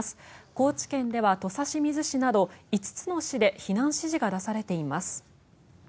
高知県では土佐清水市など５つの市で避難指示が出されています。